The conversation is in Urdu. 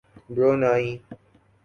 برونائی